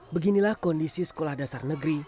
beginilah kondisi sekolah dasar negeri